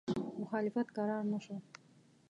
مخالفت کرار نه شو.